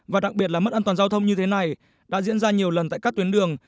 và đặc biệt là mất an toàn giao thông như thế này đã diễn ra nhiều lần tại các tuyến đường